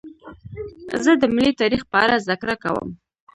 زه د ملي تاریخ په اړه زدهکړه کوم.